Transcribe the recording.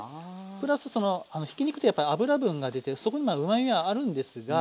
プラスそのひき肉ってやっぱ脂分が出てそこにまあうまみがあるんですが。